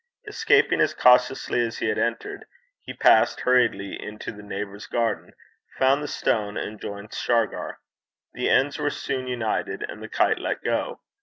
Escaping as cautiously as he had entered, he passed hurriedly into their neighbour's garden, found the stone, and joined Shargar. The ends were soon united, and the kite let go.